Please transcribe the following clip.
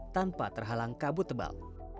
tanpa terhalang kabut tebal